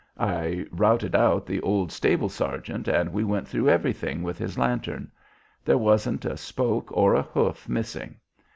I routed out the old stable sergeant and we went through everything with his lantern. There wasn't a spoke or a hoof missing.